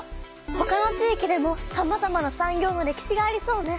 ほかの地域でもさまざまな産業の歴史がありそうね。